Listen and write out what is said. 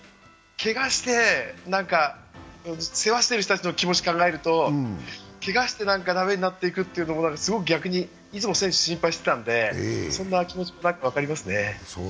けがをして世話している人たちの気持ちを考えると、けがして駄目になっていくというのも、すごく逆に、いつも選手、心配してたので、そんな気持ちも分かりますね。